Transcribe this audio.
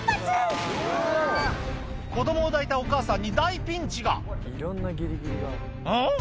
子供を抱いたお母さんに大ピンチがうん？